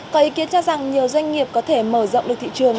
có ý kiến cho rằng nhiều doanh nghiệp có thể mở rộng được thị trường